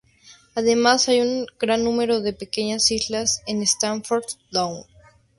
Además hay un gran número de pequeñas islas en Strangford Lough.